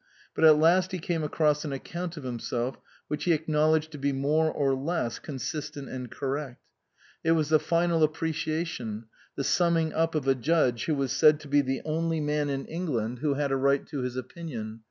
But at last he came across an account of himself which he acknowledged to be more or less consistent and correct. It was the final appreciation, the summing up of a judge who was said to be the only man in England who 146 OUTWARD BOUND had a right to his opinion.